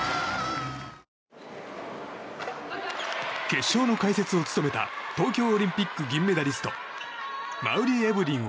決勝の解説を務めた東京オリンピック銀メダリスト馬瓜エブリンは。